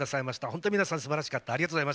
本当、皆さんすばらしかった。